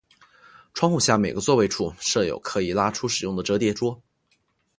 窗户下每个座位处设有可以拉出使用的折叠桌。